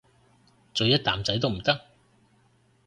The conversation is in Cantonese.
咀一啖仔都唔得？